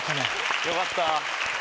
よかった！